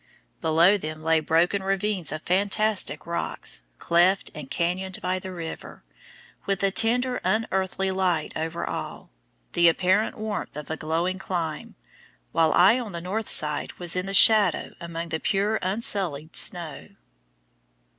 Below them lay broken ravines of fantastic rocks, cleft and canyoned by the river, with a tender unearthly light over all, the apparent warmth of a glowing clime, while I on the north side was in the shadow among the pure unsullied snow.